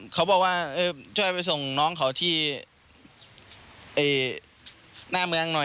เขาบอกว่าช่วยไปส่งน้องเขาที่หน้าเมืองหน่อย